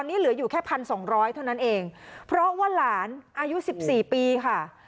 นี่เหลืออยู่แค่พันสองร้อยเท่านั้นเองเพราะว่าหลานอายุสิบสี่ปีค่ะ